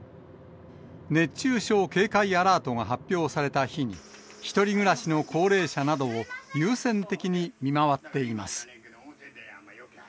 熱中症警戒アラートが発表された日に、１人暮らしの高齢者などを、優先的に見回っています。